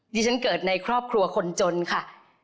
ที่ฉันเกิดในครอบครัวคนจนค่ะ